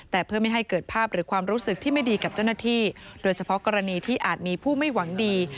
แต่เพื่อไม่ให้เกิดภาพหรือความรู้สึกที่ไม่ดีกับเจ้าหน้าที่โดยเฉพาะกรณีที่อาจมีผู้ไม่หวังดี